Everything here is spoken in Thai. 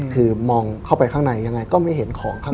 คือมองเข้าไปข้างในยังไงก็ไม่เห็นของข้าง